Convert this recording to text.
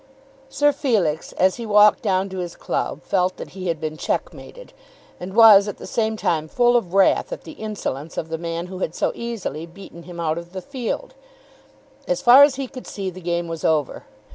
Sir Felix as he walked down to his club felt that he had been checkmated, and was at the same time full of wrath at the insolence of the man who had so easily beaten him out of the field. As far as he could see, the game was over.